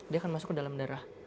dia akan masuk ke dalam darah